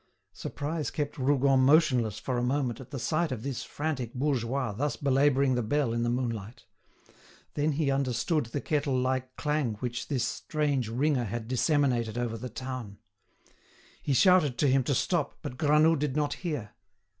Surprise kept Rougon motionless for a moment at the sight of this frantic bourgeois thus belabouring the bell in the moonlight. Then he understood the kettle like clang which this strange ringer had disseminated over the town. He shouted to him to stop, but Granoux did not hear.